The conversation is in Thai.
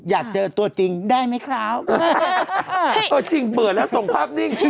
อยากเจอตัวจริงได้ไหมครับเออจริงเปิดแล้วส่งภาพนิ่ง